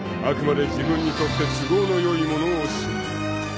［あくまで自分にとって都合のよいものを信じる］